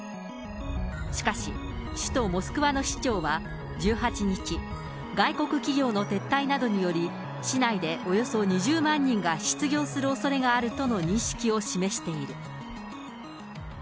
しかし、首都モスクワの市長は１８日、外国企業の撤退などにより、市内でおよそ２０万人が失業するおそれがあるとの認識を示している。